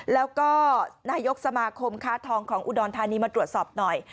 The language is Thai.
แล้วก็นายกสมาคมค้าทองของอุดรธานีมาตรวจสอบหน่อย